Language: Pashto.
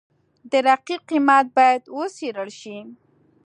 د رقیب قیمت باید وڅېړل شي.